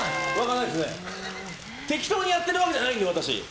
適当にやっているわけじゃないので。